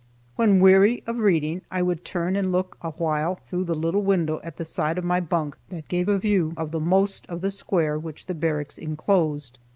When weary of reading, I would turn and look a while through the little window at the side of my bunk that gave a view of the most of the square which the barracks inclosed.